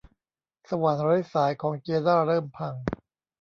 สว่านไร้สายของเจด้าเริ่มพัง